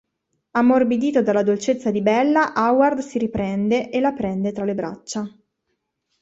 Ammorbidito dalla dolcezza di Bella, Howard si riprende e la prende tra le braccia.